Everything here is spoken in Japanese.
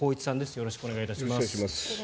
よろしくお願いします。